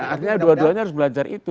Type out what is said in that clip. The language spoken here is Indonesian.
nah akhirnya dua duanya harus belajar itu